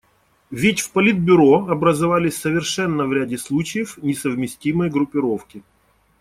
Ведь в Политбюро образовались совершенно в ряде случаев несовместимые группировки.